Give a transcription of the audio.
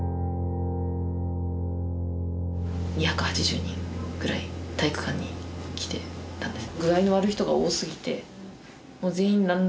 ２８０人ぐらい体育館に来てたんです。